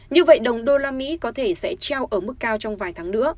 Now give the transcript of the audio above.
như vậy đồng đô la mỹ có thể sẽ treo ở mức cao trong vài tháng nữa